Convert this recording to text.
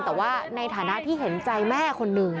แต่ว่าในฐานะที่เห็นใจแม่คนหนึ่ง